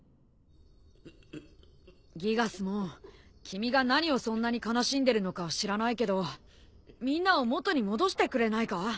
君が何をそんなに悲しんでるのか知らないけどみんなを元に戻してくれないか？